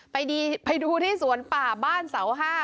ไปดูที่สวนป่าบ้านเสาห้า